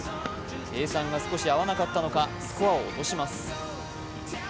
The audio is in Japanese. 計算が少し合わなかったのかスコアを落とします。